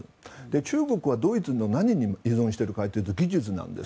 中国はドイツの何に依存しているかというと技術なんです。